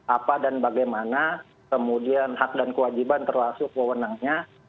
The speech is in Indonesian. apa dan bagaimana kemudian hak dan kewajiban terasuk kewenangnya